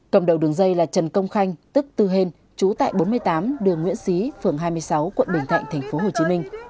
cầm đầu đường dây là trần công khanh tức tư hên chú tại bốn mươi tám đường nguyễn xí phường hai mươi sáu quận bình thạnh tp hcm